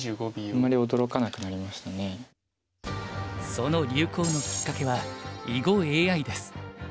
その流行のきっかけは囲碁ＡＩです。